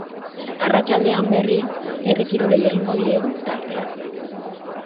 Arratsaldean, berriz, herri kirolei egingo diegu tartea.